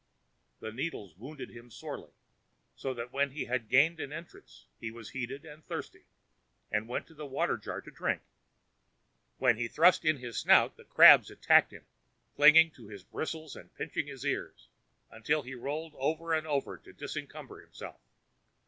The needles wounded him sorely, so that when he had gained an entrance he was heated and thirsty, and went to the water jar to drink. When he thrust in his snout the crabs attacked him, clung to his bristles and pinched his ears, till he rolled over and over to disencumber himself.